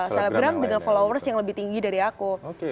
selebgram dengan followers yang lebih tinggi dari aku